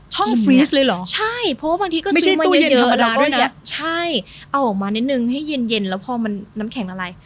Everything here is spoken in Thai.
ช่องฟรีซเลยเหรอไม่ใช่ตู้เย็นธรรมดาด้วยนะใช่เอาออกมานิดนึงให้เย็นแล้วพอน้ำแข็งละลาย